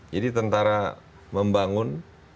jadi tentara membangun